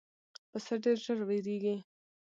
پسه ډېر ژر وېرېږي.